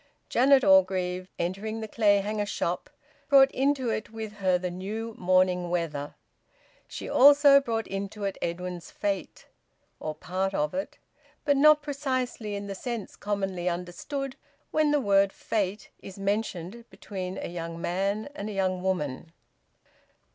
Janet Orgreave, entering the Clayhanger shop, brought into it with her the new morning weather. She also brought into it Edwin's fate, or part of it, but not precisely in the sense commonly understood when the word `fate' is mentioned between a young man and a young woman.